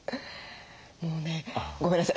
もうねごめんなさい。